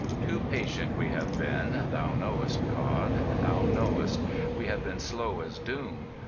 Too patient we have been, thou knowest, God, thou knowest. We have been slow as doom.